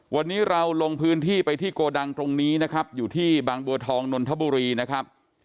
วันนี้เราลงพื้นที่ไปที่โกดังตรงนี้นะครับอยู่ที่บางบัวทองนนทบุรีนะครับ